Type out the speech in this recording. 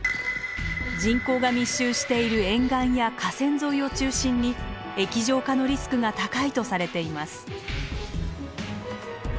人口が密集している沿岸や河川沿いを中心に液状化のリスクが高いとされています。